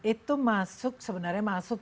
itu masuk sebenarnya masuk